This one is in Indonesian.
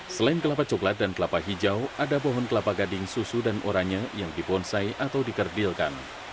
selain kelapa coklat dan kelapa hijau ada pohon kelapa gading susu dan oranye yang dibonsai atau dikerdilkan